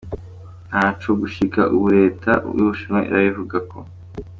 Nta co gushika ubu reta y’Ubushinwa irabivugako.